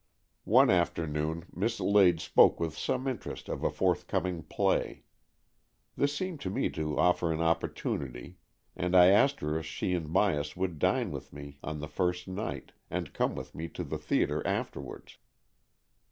One afternoon Miss Lade spoke with some interest of a forthcoming play. This seemed to me to offer an opportunity, and I asked her if she and Myas would dine with me on the first night and come with me to the theatre afterwards.